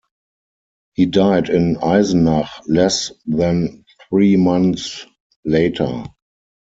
He died in Eisenach less than three months later.